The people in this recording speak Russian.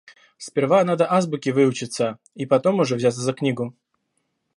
Сперва надо азбуке выучиться и потом уже взяться за книгу.